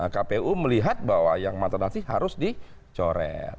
kpu melihat bahwa yang mata nanti harus dicoret